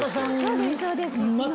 そうですそうです。